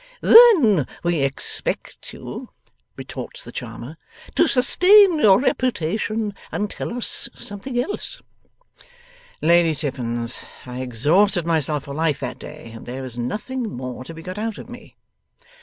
'Then we expect you,' retorts the charmer, 'to sustain your reputation, and tell us something else.' 'Lady Tippins, I exhausted myself for life that day, and there is nothing more to be got out of me.